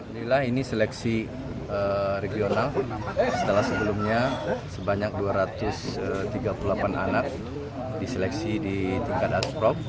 inilah ini seleksi regional setelah sebelumnya sebanyak dua ratus tiga puluh delapan anak diseleksi di tingkat asprop